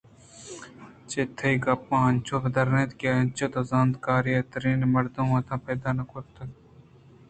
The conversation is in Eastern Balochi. چہ تئی گپاں انچو پدّر اِنت کہ اچ تو زانت کار تریں مردم ماتاں پیدا نہ کُتگ